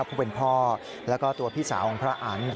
ผู้เป็นพ่อแล้วก็ตัวพี่สาวของพระอันเนี่ย